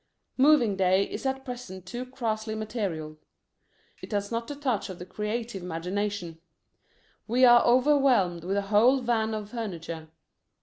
Moving Day is at present too crassly material. It has not the touch of the creative imagination. We are overwhelmed with a whole van of furniture.